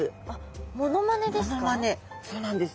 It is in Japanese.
そうなんです。